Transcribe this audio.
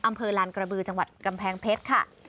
อำเภอลานกระบือจังหวัดกำแพงเพชรค่ะ